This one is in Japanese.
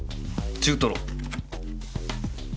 中トロ。